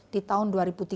di tahun dua ribu tiga puluh